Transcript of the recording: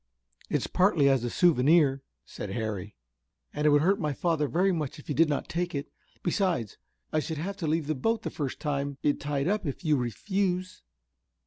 "It's partly as a souvenir," said Harry, "and it would hurt my father very much if you did not take it. Besides, I should have to leave the boat the first time it tied up, if you refuse."